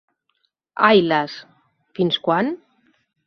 Ai las, fins quan?